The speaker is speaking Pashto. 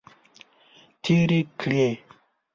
تیرې کړې.